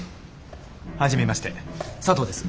初めまして佐藤です。